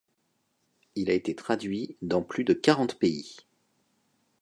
Il a été traduit dans plus de quarante pays.